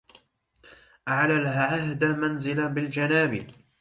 أعلى العهد منزل بالجناب